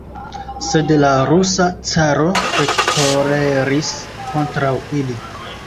Sed la rusa caro ekkoleris kontraŭ ili.